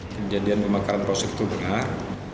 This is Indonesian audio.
kejadian pembakaran posek itu benar